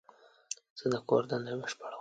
زه د کور دنده بشپړوم.